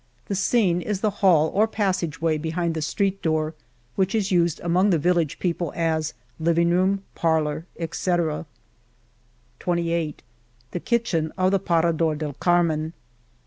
The scene is the hall or pas' sageway behind the street door, which is used among the village people as living room, parlor, etc., 27 The kitchen of the Parador del Carmen